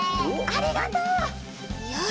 ありがとう！よし！